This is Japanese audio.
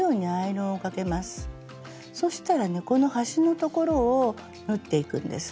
そしたらねこの端の所を縫っていくんです。